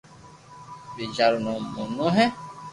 تيجا رو نوم مونو ھي